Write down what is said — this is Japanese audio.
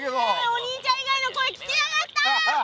お兄ちゃんいがいの声聞きたかった！